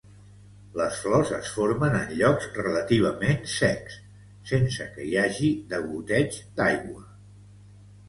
Les flors es formen en llocs relativament secs, sense que hi hagi degoteig d'aigua.